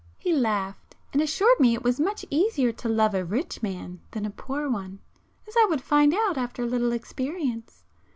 He laughed, and assured me it was much easier to love a rich man than a poor one, as I would find out after a little experience.